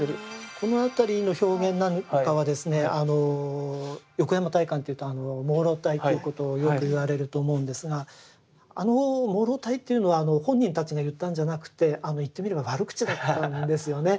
この辺りの表現なんかはですね横山大観っていうと朦朧体っていうことよく言われると思うんですがあの朦朧体というのは本人たちが言ったんじゃなくて言ってみれば悪口だったんですよね。